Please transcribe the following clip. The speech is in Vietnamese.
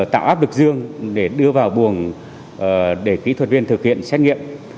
tạo áp lực riêng để đưa vào buồng để kỹ thuật viên thực hiện xét nghiệm